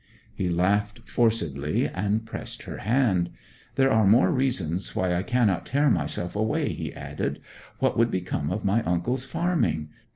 He laughed forcedly and pressed her hand. 'There are more reasons why I cannot tear myself away,' he added. 'What would become of my uncle's farming?